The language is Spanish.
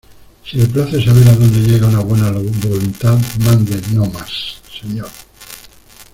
si le place saber a dónde llega una buena voluntad, mande no más , señor.